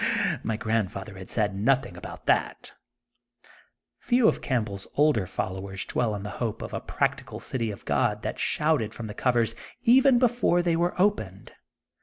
My Grandma had said nothing about thati Few of Campbell 's older followers dwell on the hope of a practical City of God that shouted from the covers even before they were opened.